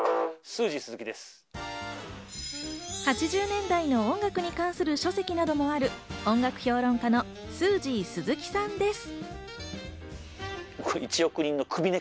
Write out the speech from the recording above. ８０年代の音楽に関する書籍などもある音楽評論家のスージー鈴木さんです。